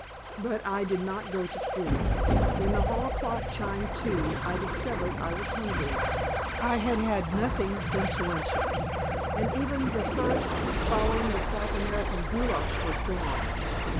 But I did not go to sleep. When the hall clock chimed two, I discovered I was hungry. I had had nothing since luncheon, and even the thirst following the South American goulash was gone.